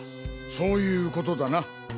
そういうことだな。